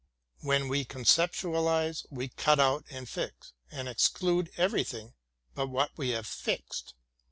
When we conceptualize we cut out and fix, and exclude everj^thing but what we have fixed.